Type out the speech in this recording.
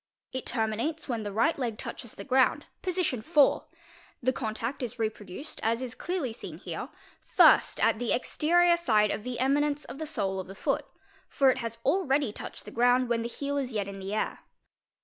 It terminates when the right eg touches the ground, position IV.; the contact is reproduced, as is slearly seen here, first at the exterior side of the eminence of the sole of 4 foot, for it has already touched the ground when the heel is yet in the air.